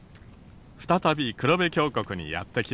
再び黒部峡谷にやって来ました。